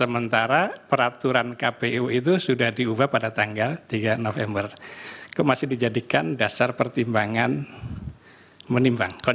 padahal keputusan tentang penetapan pasangan peserta pemilu itu diterbitkan tanggal tiga belas november